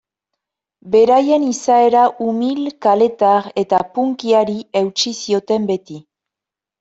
Beraien izaera umil, kaletar eta punkyari eutsi zioten beti.